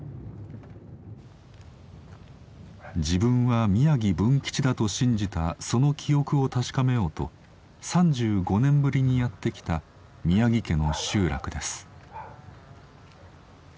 自分は宮城文吉だと信じたその記憶を確かめようと３５年ぶりにやって来た宮城家の集落です。